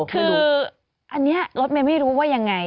คืออันนี้รถเมย์ไม่รู้ว่ายังไง